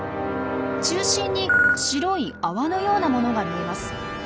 中心に白い泡のようなものが見えます。